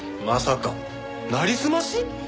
まさかなりすまし？